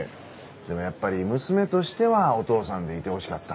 でもやっぱり娘としてはお父さんでいてほしかった。